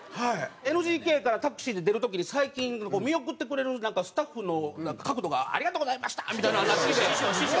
ＮＧＫからタクシーで出る時に最近見送ってくれるスタッフの角度が「ありがとうございました！」みたいなのになってきて。